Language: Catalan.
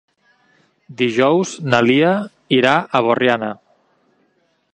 Dijous na Lia irà a Borriana.